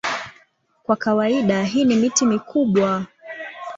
Kwa kawaida hii ni miti mikubwa.